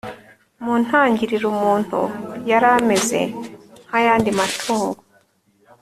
Mu ntangiriro umuntu yari ameze nkayandi matungo